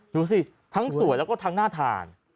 ดูสิทั้งสวยแล้วก็ทั้งน่าทาน